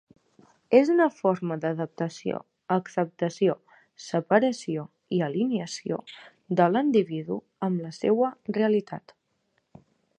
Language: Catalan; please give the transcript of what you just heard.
És una forma d'adaptació, acceptació, separació i alineació de l'individu amb la seua realitat.